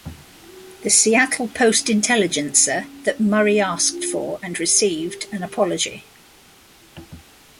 "The Seattle Post-Intelligencer" that Murray asked for, and received, an apology.